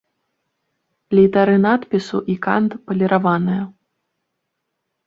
Літары надпісу і кант паліраваныя.